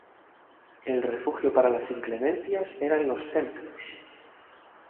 El refugio para las inclemencias eran los templos.